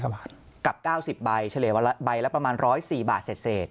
๙๔๐๐บาทกับ๙๐ใบเฉลี่ยใบละประมาณ๑๐๔บาทเศษ